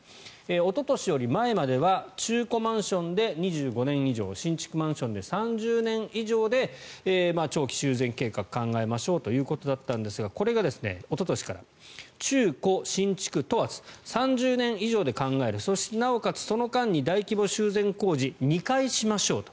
おととしより前までは中古マンションで２５年以上新築マンションで３０年以上で長期修繕計画を考えましょうということだったんですがこれがおととしから中古新築問わず３０年以上で考えるそして、なおかつ、その間に大規模修繕工事を２回しましょうと。